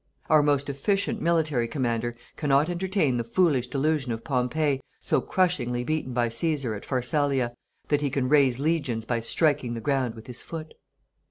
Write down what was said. Our most efficient military commander cannot entertain the foolish delusion of Pompey, so crushingly beaten by Cæsar, at Pharsalia, that he can raise legions by striking the ground with his foot.